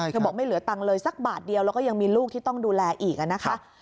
บอกไม่เหลือตังค์เลยสักบาทเดียวแล้วก็ยังมีลูกที่ต้องดูแลอีกนะคะ